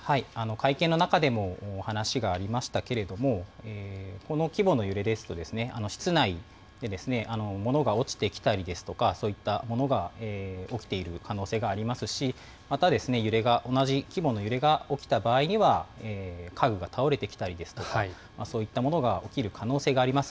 会見の中でも話がありましたけれども、この規模の揺れですと、室内で物が落ちてきたりですとか、そういったものが起きている可能性がありますし、また、揺れが、同じ規模の揺れが起きた場合には、家具が倒れてきたりですとか、そういったものが起きる可能性があります。